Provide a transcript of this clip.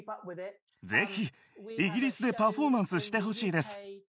ぜひイギリスでパフォーマンスしてほしいです。